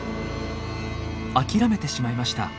諦めてしまいました。